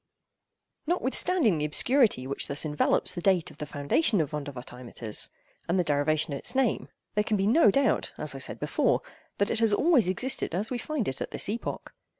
Notwithstanding the obscurity which thus envelops the date of the foundation of Vondervotteimittis, and the derivation of its name, there can be no doubt, as I said before, that it has always existed as we find it at this epoch.